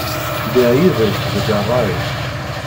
Ddiɣ yid-k deg ṛṛay.